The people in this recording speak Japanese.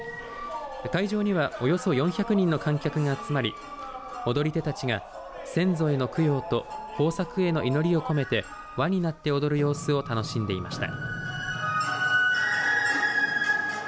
会場にはおよそ４００人の観客が集まり踊り手たちが先祖への供養と豊作への祈りを込めて輪になって踊る様子を楽しんでいました。